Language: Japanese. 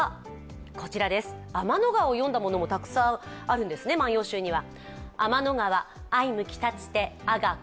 天の川を詠んだものもたくさんあるんですね、「万葉集」には。